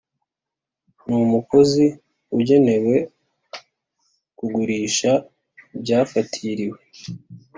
N umukozi ugenewe kugurisha ibyafatiriwe